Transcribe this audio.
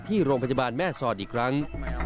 ที่โรงพยาบาลแม่สอดอีกครั้ง